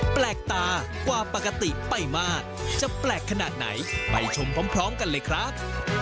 แปลกตากว่าปกติไปมากจะแปลกขนาดไหนไปชมพร้อมกันเลยครับ